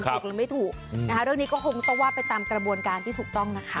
ถูกหรือไม่ถูกนะคะเรื่องนี้ก็คงต้องว่าไปตามกระบวนการที่ถูกต้องนะคะ